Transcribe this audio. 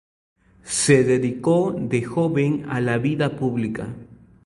Se dedicó de joven a la vida pública.